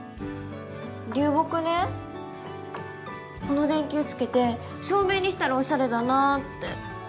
流木ねこの電球付けて照明にしたらおしゃれだなって。